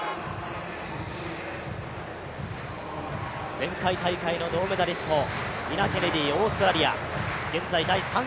全体大会の銅メダリスト、ニナ・ケネディ、オーストラリア。